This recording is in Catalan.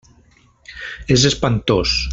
És espantós.